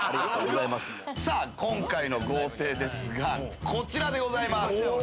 今回の豪邸ですが、こちらでございます。